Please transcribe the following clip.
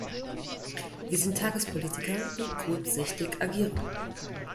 Wir sind Tagespolitiker, die kurzsichtig agieren.